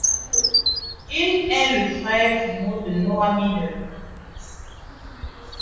Il est le frère jumeau de Noah Miller.